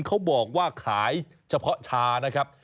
เขาบอกว่าขายเฉพาะชานะครับ